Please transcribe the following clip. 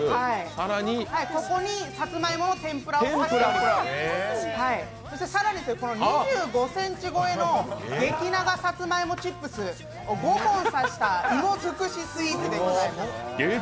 ここにさつまいもの天ぷら、更に、２５ｃｍ超えの、激長さつまいもチップスを５本さした芋づくしスイーツでございます。